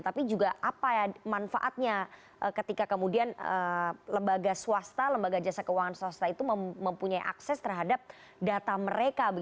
tapi juga apa ya manfaatnya ketika kemudian lembaga swasta lembaga jasa keuangan swasta itu mempunyai akses terhadap data mereka